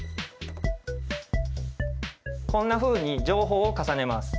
こんなふうに情報を重ねます。